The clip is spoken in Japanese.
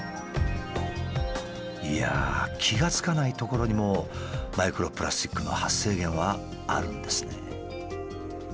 いやあ気が付かないところにもマイクロプラスチックの発生源はあるんですね。